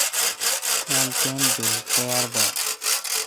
کھال ٹئم بل تیار با۔